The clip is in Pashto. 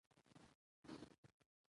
چې د څو اړخونو له مخې موږ ته ډېره مهمه ده.